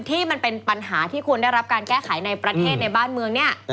ที่เป็นปัญหาที่ควรได้รับการแก้ไขในประเทศในบ้านเมืองเนี่ย